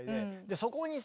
そこにさ